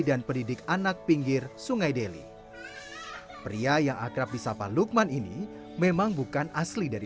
dan pendidik anak pinggir sungai delhi pria yang akrab di nepali needs memang bukan asli dari